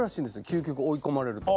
究極追い込まれると。